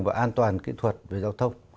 và an toàn kỹ thuật về giao thông